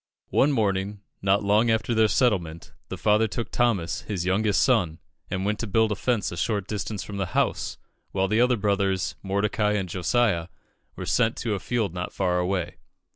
One morning, not long after their settlement, the father took Thomas, his youngest son, and went to build a fence a short distance from the house, while the other brothers, Mordecai and Josiah, were sent to a field not far away.